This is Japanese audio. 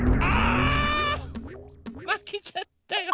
まけちゃったよ。